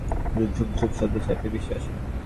ঝুপ ঝুপ শব্দে চাপিয়া বৃষ্টি আসিল।